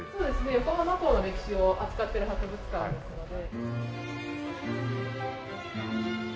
横浜港の歴史を扱ってる博物館ですので。